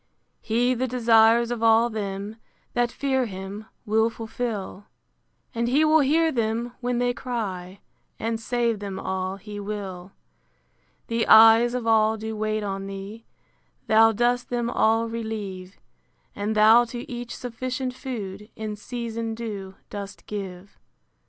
He the desires of all them That fear him, will fulfil; And he will hear them when they cry, And save them all he will. The eyes of all do wait on thee; Thou dost them all relieve: And thou to each sufficient food, In season due, dost give.